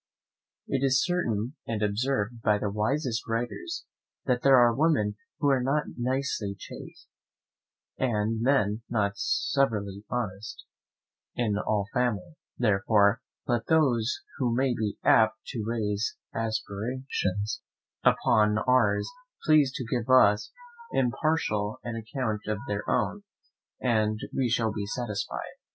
It is certain, and observed by the wisest writers, that there are women who are not nicely chaste, and men not severely honest, in all families; therefore let those who may be apt to raise aspersions upon ours please to give us as impartial an account of their own, and we shall be satisfied.